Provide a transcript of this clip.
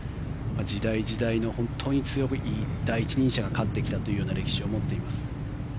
時代時代の本当に強い第一人者が勝ってきたというような歴史を持っています。